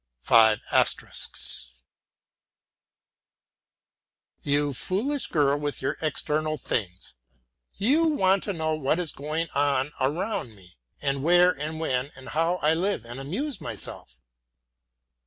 You foolish girl, with your external things! You want to know what is going on around me, and where and when and how I live and amuse myself?